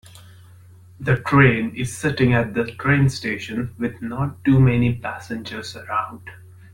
The train is sitting at the train station with not too many passengers around.